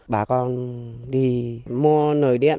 bà con đi mua nồi điện